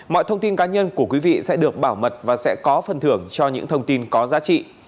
mọi thông tin cá nhân của quý vị sẽ được bảo mật và sẽ có phần thưởng cho những thông tin có giá trị